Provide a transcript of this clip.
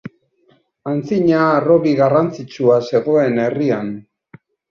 Antzina harrobi garrantzitsua zegoen herrian.